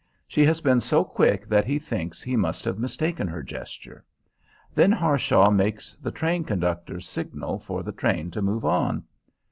She has been so quick that he thinks he must have mistaken her gesture. Then Harshaw makes the train conductor's signal for the train to move on.